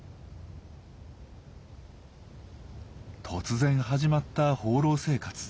突然始まった放浪生活。